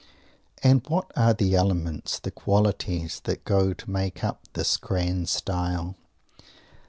And what are the elements, the qualities, that go to make up this "grand style"?